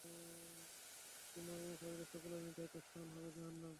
তোমার অনুসারীদের সকলেরই নির্ধারিত স্থান হবে জাহান্নাম।